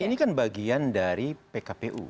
ini kan bagian dari pkpu